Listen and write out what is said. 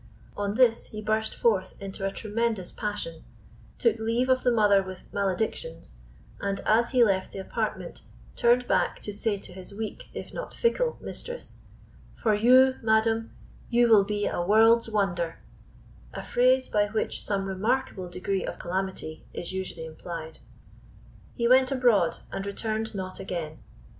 On this he burst forth into a tremendous passion, took leave of the mother with maledictions, and as he left the apartment, turned back to say to his weak, if not fickle, mistresss: "For you, madam, you will be a world's wonder"; a phrase by which some remarkable degree of calamity is usually implied. He went abroad, and returned not again.